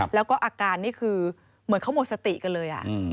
แล้วก็อาการนี่คือเหมือนเขาหมดสติกันเลย